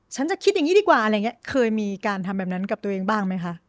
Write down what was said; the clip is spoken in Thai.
ฉันจะคิดอย่างนี้ดีกว่าอะไรอย่างนี้เคยมีการทำแบบนั้นกับตัวเองบ้างไหมคะ